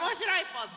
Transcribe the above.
ポーズ？